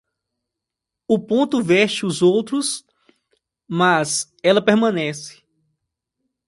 O ponto veste os outros, mas ela permanece.